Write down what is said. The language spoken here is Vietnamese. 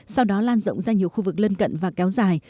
sau đó lan rộng ra nhiều khu vực lân cận và kéo dài